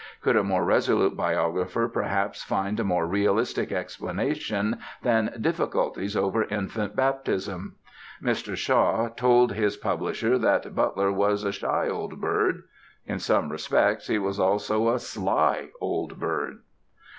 Could a more resolute biographer perhaps find a more "realistic" explanation than difficulties over infant baptism? Mr. Shaw told his publisher that Butler was "a shy old bird." In some respects he was also a sly old bird.